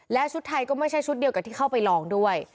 และชุดไทยก็ไม่ใช่ชุดเดียวกับที่เข้าไปลองด้วย